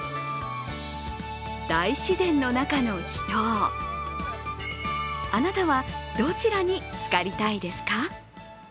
大自然の中の秘湯、あなたはどちらに浸かりたいですか？